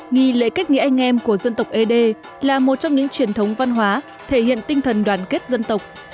nghi lễ kết nghĩa anh em của dân tộc ế đê là một trong những truyền thống văn hóa thể hiện tinh thần đoàn kết dân tộc